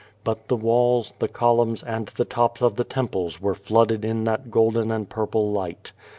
But the walls, the columns, and the tops of the temples were flooded in that golden and purple light.